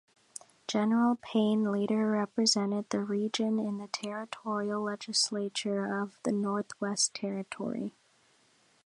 General Paine later represented the region in the territorial legislature of the Northwest Territory.